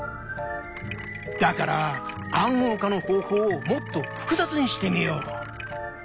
だから「暗号化の方法」をもっと複雑にしてみよう。